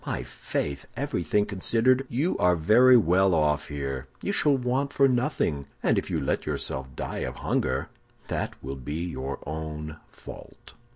My faith! everything considered, you are very well off here. You shall want for nothing, and if you let yourself die of hunger that will be your own fault.